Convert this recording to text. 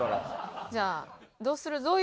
じゃあどうする？